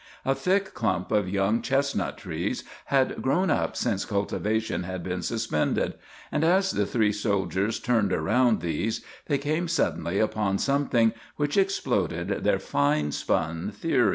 A thick clump of young chestnut trees had grown up since cultivation had been suspended, and as the three soldiers turned around these, they came suddenly upon something which exploded their fine spun theories.